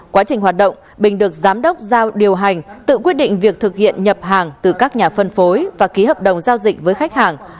quá trình hoạt động bình được giám đốc giao điều hành tự quyết định việc thực hiện nhập hàng từ các nhà phân phối và ký hợp đồng giao dịch với khách hàng